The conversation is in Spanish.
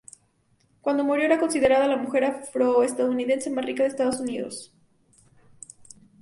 Cuando murió era considerada la mujer afroestadounidense más rica de los Estados Unidos.